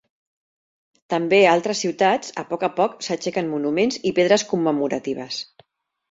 També, a altres ciutats, a poc a poc s'aixequen monuments i pedres commemoratives.